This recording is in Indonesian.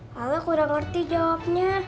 kalau kurang ngerti jawabnya